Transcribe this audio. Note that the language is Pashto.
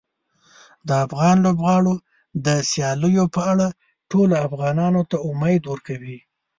د افغان لوبغاړو د سیالیو په اړه ټولو افغانانو ته امید ورکوي.